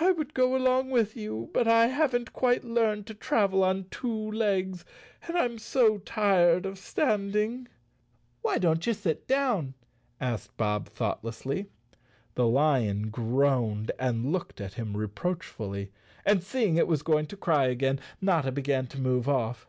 I would go along with you, but I haven't quite learned to travel on two legs, and I'm so tired of standing." "Why don't you sit down," asked Bob thoughtlessly. 95 The Cowardly Lion of Oz _ The lion groaned and looked at him reproachfully, and seeing it was going to cry again Notta began to move off.